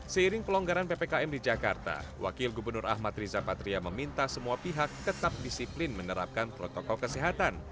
seiring pelonggaran ppkm di jakarta wakil gubernur ahmad riza patria meminta semua pihak tetap disiplin menerapkan protokol kesehatan